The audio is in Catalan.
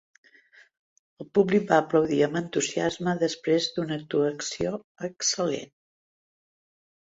El públic va aplaudir amb entusiasme després d'una actuació excel·lent.